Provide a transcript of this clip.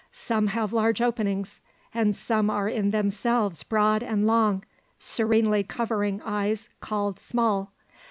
Some have large openings, and some are in themselves broad and long, serenely covering eyes called small.